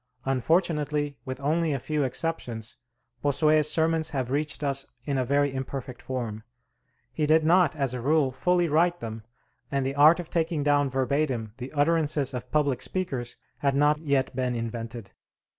Unfortunately, with only a few exceptions Bossuet's sermons have reached us in a very imperfect form. He did not, as a rule, fully write them, and the art of taking down verbatim the utterances of public speakers had not yet been invented.